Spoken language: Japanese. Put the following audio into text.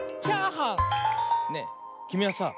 ねえきみはさ